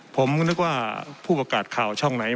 ผมก็นึกว่าผู้ประกาศข่าวช่องไหน